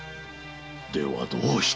ではどうして？